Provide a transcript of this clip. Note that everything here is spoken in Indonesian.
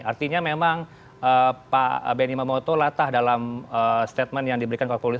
artinya memang pak benny mamoto latah dalam statement yang diberikan kepada polisi